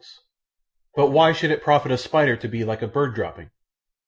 ] But why should it profit a spider to be like a bird dropping?